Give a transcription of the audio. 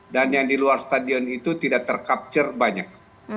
dan yang di luar stadion itu tidak ter capture banyak